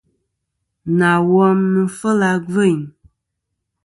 Nà wom nɨ̀n fêl a gvêyn.